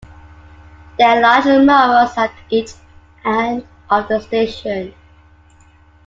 They are large murals at each end of the station.